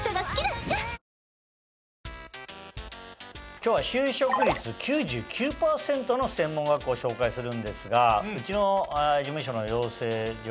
今日は就職率９９％の専門学校を紹介するんですがうちの事務所の養成所